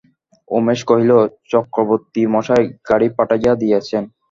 উমেশ কহিল, চক্রবর্তীমশায় গাড়ি পাঠাইয়া দিয়াছেন।